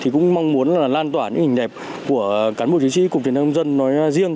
cũng mong muốn lan tỏa những hình ảnh đẹp của cán bộ chiến sĩ công an nhân dân nói riêng